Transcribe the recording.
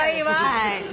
はい。